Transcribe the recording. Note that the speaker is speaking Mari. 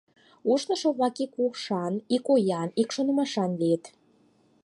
Ушнышо-влак ик ушан, ик оян, ик шонымашан лийышт.